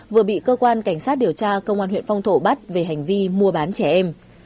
vừa bị cơ quan cảnh sát điều tra công an huyện phong thổ bắt về hành vi mua bán trẻ em